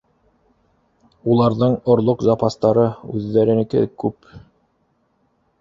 Уларҙың орлоҡ запастары үҙҙәренеке күп.